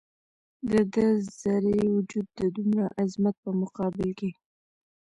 د ده ذرې وجود د دومره عظمت په مقابل کې.